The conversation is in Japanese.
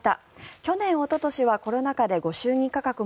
去年、おととしはコロナ禍でご祝儀価格も